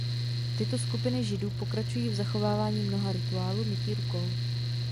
Tyto skupiny Židů pokračují v zachovávání mnoha rituálů mytí rukou.